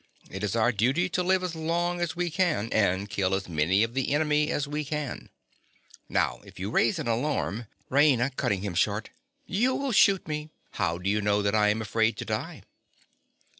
It is our duty to live as long as we can, and kill as many of the enemy as we can. Now if you raise an alarm— RAINA. (cutting him short). You will shoot me. How do you know that I am afraid to die?